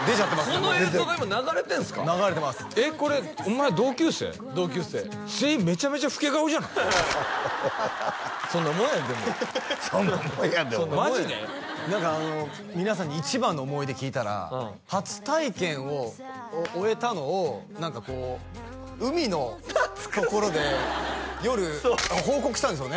そんなもんやでもそんなもんやで何か皆さんに一番の思い出聞いたら初体験を終えたのを何かこう海のところで夜報告したんですよね？